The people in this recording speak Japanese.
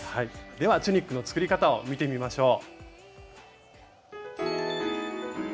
ではチュニックの作り方を見てみましょう。